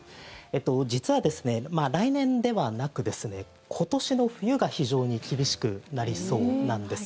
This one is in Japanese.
実はですね、来年ではなく今年の冬が非常に厳しくなりそうなんです。